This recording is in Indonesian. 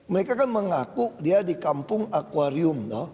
mereka kan mengaku dia di kampung akwarium loh